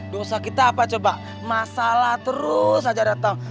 dosa kita apa coba masalah terus saja datang